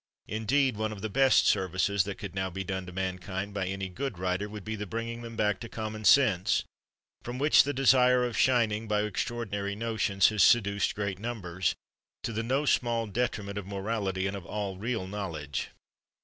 Indeed, one of the best services that could now be done to mankind by any good writer would be the bringing them back to common sense, from which the desire of shining by extraordinary notions has seduced great numbers, to the no small detriment of morality and of all real knowledge."